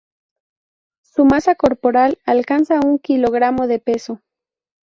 Su masa corporal alcanza un kilogramo de peso.